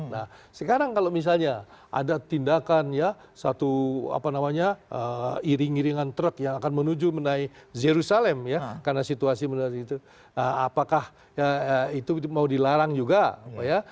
nah sekarang kalau misalnya ada tindakan ya satu apa namanya iring iringan truk yang akan menuju menai jerusalem ya karena situasi menai itu apakah itu mau dilarang juga ya